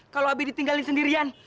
kalo abi ditinggalin sendirian